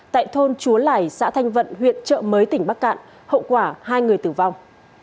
tại thôn chúa lẻi xã thanh vận huyện trợ mới tỉnh bắc cạn hậu quả hai người tử vong